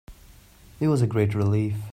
It was a great relief